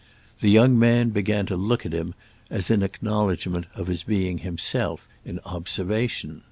The young man began to look at him as in acknowledgement of his being himself in observation.